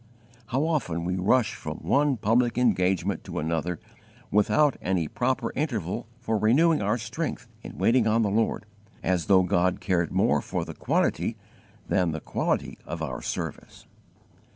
How often we rush from one public engagement to another without any proper interval for renewing our strength in waiting on the Lord, as though God cared more for the quantity than the quality of our service!